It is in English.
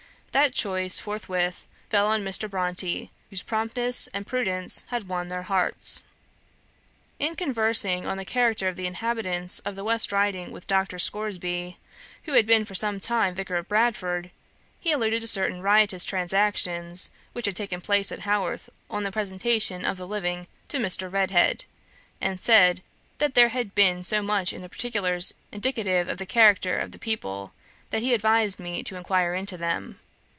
That choice forthwith fell on Mr. Bronte, whose promptness and prudence had won their hearts." In conversing on the character of the inhabitants of the West Riding with Dr. Scoresby, who had been for some time Vicar of Bradford, he alluded to certain riotous transactions which had taken place at Haworth on the presentation of the living to Mr. Redhead, and said that there had been so much in the particulars indicative of the character of the people, that he advised me to inquire into them.